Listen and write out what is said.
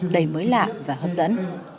đầy mới lạ và hấp dẫn